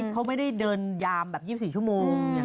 เขาไม่ได้เดินยามแบบ๒๔ชั่วโมง